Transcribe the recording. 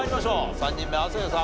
３人目亜生さん